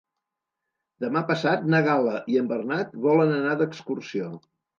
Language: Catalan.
Demà passat na Gal·la i en Bernat volen anar d'excursió.